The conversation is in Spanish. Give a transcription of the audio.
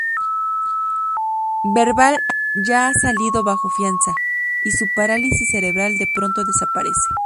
Verbal ya ha salido bajo fianza, y su parálisis cerebral de pronto desaparece.